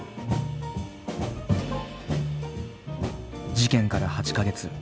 事件から８か月。